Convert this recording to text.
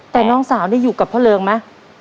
แต่น้องสาวนี่อยู่กับพ่อเริงไหม